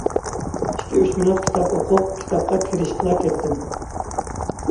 ئىككى-ئۈچ مىنۇت كىتاب ئوقۇپ، كىتابقا كىرىشىپلا كەتتىم.